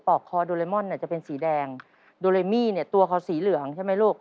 ออกคอโดเรมอนเนี่ยจะเป็นสีแดงโดเรมี่เนี่ยตัวเขาสีเหลืองใช่ไหมลูก